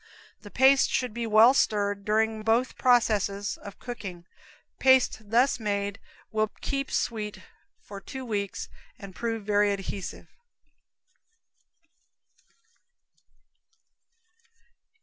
The paste should be well stirred during both processes of cooking. Paste thus made will keep sweet for two weeks and prove very adhesive.